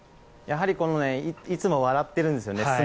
やはりいつも笑ってるんですよね。